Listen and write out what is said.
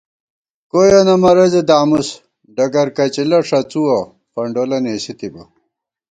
کویَنہ مرَضےدامُس ڈگرکچِلہ ݭَڅُوَہ فنڈولہ نېسِتِبہ